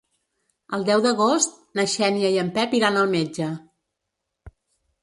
El deu d'agost na Xènia i en Pep iran al metge.